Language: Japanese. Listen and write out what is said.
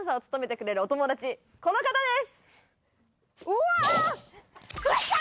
この方です！